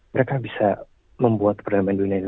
mereka bisa membuat perdamaian dunia ini